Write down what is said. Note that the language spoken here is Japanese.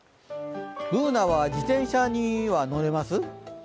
Ｂｏｏｎａは自転車には乗れます？